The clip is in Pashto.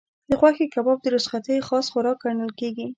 د غوښې کباب د رخصتیو خاص خوراک ګڼل کېږي.